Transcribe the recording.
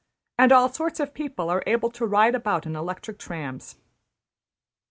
'' and all sorts of people are able to ride about in electric trams.